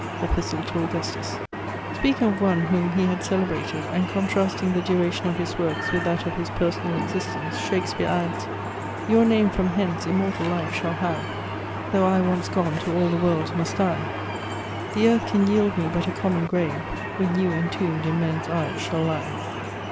(Epist. to Augustus.) Speaking of one whom he had celebrated, and contrasting the duration of his works with that of his personal existence, Shakespeare adds: Your name from hence immortal life shall have, Tho' I once gone to all the world must die; The earth can yield me but a common grave, When you entombed in men's eyes shall lie.